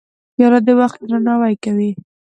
پیاله د وخت درناوی کوي.